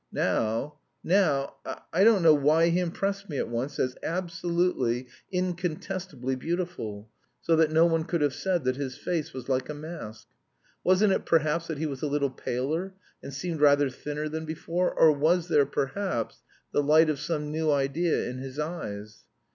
Now now, I don't know why he impressed me at once as absolutely, incontestably beautiful, so that no one could have said that his face was like a mask. Wasn't it perhaps that he was a little paler and seemed rather thinner than before? Or was there, perhaps, the light of some new idea in his eyes?